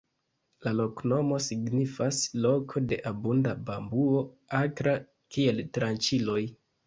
La loknomo signifas: "loko de abunda bambuo akra kiel tranĉiloj".